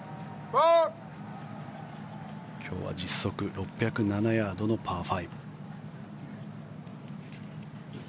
今日は実測６０７ヤードのパー５。